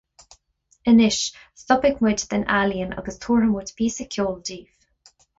Anois, stopfaidh muid den ealaín agus tabharfaidh muid píosa ceoil daoibh.